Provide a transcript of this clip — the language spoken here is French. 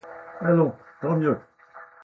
Allons, tant mieux.